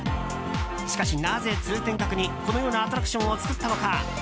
しかし、なぜ通天閣にこのようなアトラクションを造ったのか。